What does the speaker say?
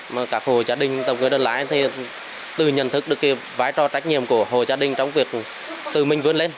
mà cả hồ gia đình tổng cơ đơn lái thì tự nhận thức được cái vái trò trách nhiệm của hồ gia đình trong việc tự minh vươn lên